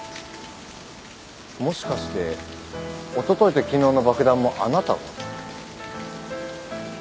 もしかしておとといと昨日の爆弾もあなたが？